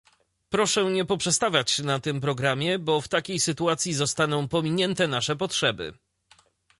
proszę nie poprzestawać na tym programie, bo w takiej sytuacji zostaną pominięte nasze potrzeby